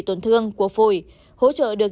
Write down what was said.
tổn thương của phổi hỗ trợ được